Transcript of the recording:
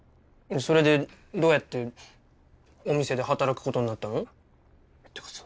それでどうやってお店で働くことになったの？ってかさ